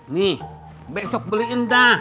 nih besok beliin dah